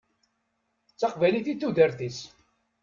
D taqbaylit i d tudert-is.